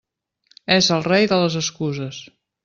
És el rei de les excuses.